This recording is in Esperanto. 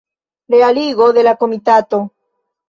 Realigo de la komitato.